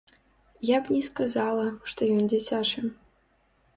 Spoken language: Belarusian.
Я б не сказала, што ён дзіцячы.